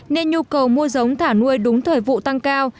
nên nhu cầu mua giống thả nuôi đúng thời vụ tăng cao